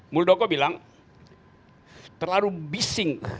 muldoko bilang terlalu bisik